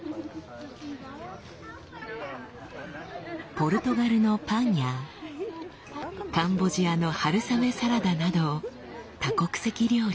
ポルトガルのパンやカンボジアの春雨サラダなど多国籍料理。